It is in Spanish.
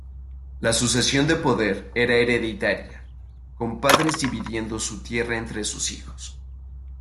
La sucesión de poder era hereditaria, con padres dividiendo su tierra entre sus hijos.